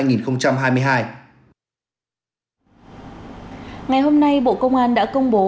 ngày hôm nay bộ công an đã công bố